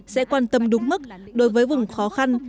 sẽ quan tâm đúng mức đối với vùng khó khăn